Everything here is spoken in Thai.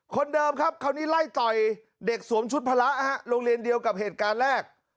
คนเดิมครับคราวนี้ไล่ต่อยเด็กสวมชุดพระโรงเรียนเดียวกับเหตุการณ์แรก